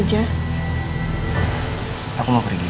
raja aku mau pergi kamu itu